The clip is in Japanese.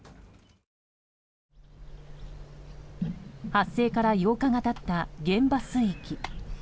発生から８日が経った現場水域。